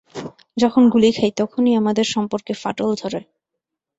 যখন গুলি খাই, তখনই আমাদের সম্পর্কে ফাটল ধরে।